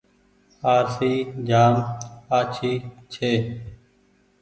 آرسي جآم آڇي ڇي۔